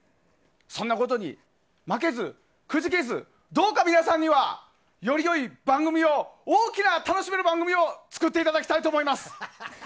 そんなことに負けず、くじけずどうか皆さんにはより良い番組を大きな楽しめる番組を作っていただきたいと思います。